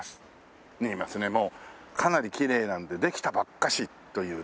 もうかなりきれいなんでできたばっかしというね。